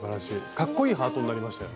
かっこいいハートになりましたよね。